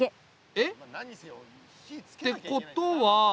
えっ？てことは。